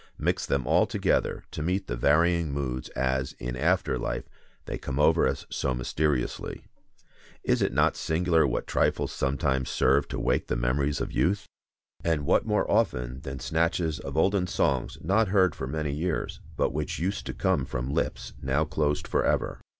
Mix them all together, to meet the varying moods as, in after life, they come over us so mysteriously. Is it not singular what trifles sometimes serve to wake the memories of youth? And what more often than snatches of olden songs not heard for many years, but which used to come from lips now closed forever?